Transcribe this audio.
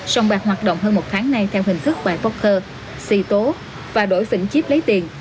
sông bạc hoạt động hơn một tháng nay theo hình thức bài poker xì tố và đổi phỉnh chip lấy tiền